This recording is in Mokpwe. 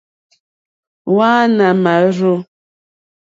Hwáǃánáá màrzô.